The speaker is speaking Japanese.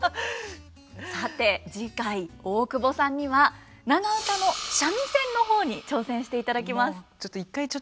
さて次回大久保さんには長唄の三味線の方に挑戦していただきます。